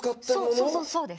そうそうそうです。